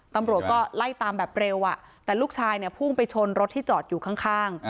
ตำรวจก็ไล่ตามแบบเร็วอ่ะแต่ลูกชายเนี่ยพุ่งไปชนรถที่จอดอยู่ข้าง